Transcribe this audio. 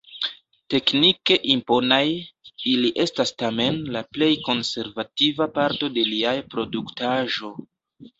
Teknike imponaj, ili estas tamen la plej konservativa parto de lia produktaĵo.